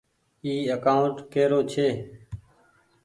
اي اڪآونٽ ڪي رو ڇي۔